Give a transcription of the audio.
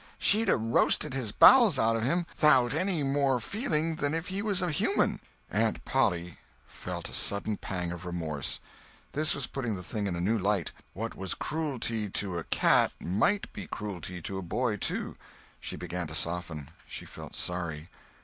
She'd a roasted his bowels out of him 'thout any more feeling than if he was a human!" Aunt Polly felt a sudden pang of remorse. This was putting the thing in a new light; what was cruelty to a cat might be cruelty to a boy, too. She began to soften; she felt sorry.